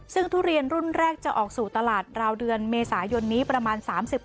ซึ่งทุเรียนรุ่นแรกจะออกสู่ตลาดราวเดือนเมษายนนี้ประมาณ๓๐